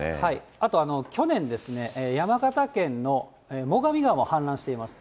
あと、去年、山形県の最上川も氾濫しています。